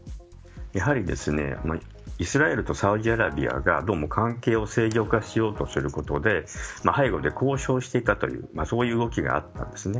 イスラエルとサウジアラビアがどうも関係を正常化しようとしていることで交渉していたという動きがあったんですね。